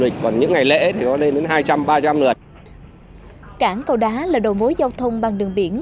cảng cầu đá là đầu mối giao thông bằng đường biển